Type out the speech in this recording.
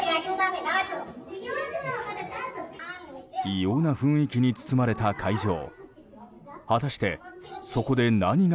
異様な雰囲気に包まれた会場。